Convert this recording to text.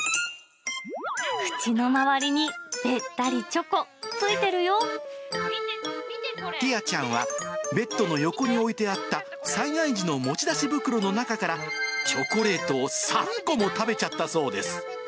口の周りにべったりチョコ、ティアちゃんは、ベッドの横に置いてあった災害時の持ち出し袋の中から、チョコレートを３個も食べちゃったそうです。